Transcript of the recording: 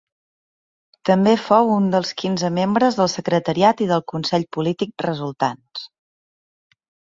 També fou un dels quinze membres del Secretariat i del Consell Polític resultants.